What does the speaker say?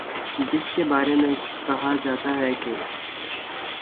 جس کے بارے میں کہا جاتا ہے کہ